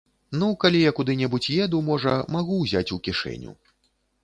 Ну, калі я куды-небудзь еду, можа, магу ўзяць у кішэню.